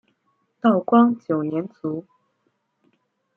道光九年卒。